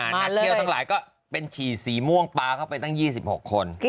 นักเที่ยวทั้งหลายก็เป็นฉี่สีม่วงปลาเข้าไปตั้ง๒๖คน